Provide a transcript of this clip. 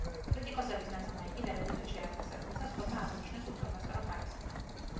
კრიტიკოსების ნაწილმა იგი დადებითად შეაფასა, თუმცა სხვებმა აღნიშნეს უსწორმასწორო ხარისხი.